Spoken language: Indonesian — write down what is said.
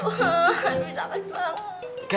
aduh sakit banget